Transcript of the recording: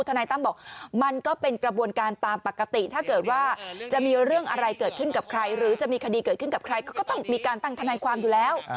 นายตั้มบอกมันก็เป็นกระบวนการตามปกติถ้าเกิดว่าจะมีเรื่องอะไรเกิดขึ้นกับใครหรือจะมีคดีเกิดขึ้นกับใครเขาก็ต้องมีการตั้งทนายความอยู่แล้ว